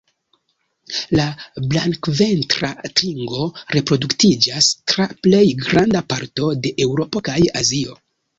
La Blankventra tringo reproduktiĝas tra plej granda parto de Eŭropo kaj Azio.